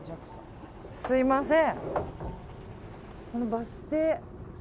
すみません。